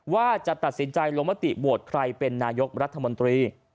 ว่าจะตัดสินใจลงมติโหวตใครเป็นนายกรัฐมนตรี